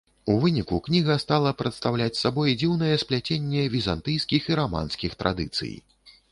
У выніку кніга стала прадстаўляць сабой дзіўнае спляценне візантыйскіх і раманскіх традыцый.